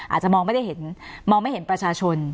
อาจจะมองไม่ได้เห็นมองไม่เห็นประชาชน